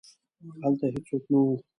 هلته هیڅوک نه وو.